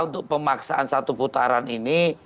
untuk pemaksaan satu putaran ini